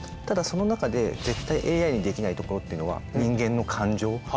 ただその中で絶対ＡＩにできないところっていうのは「人間の感情」。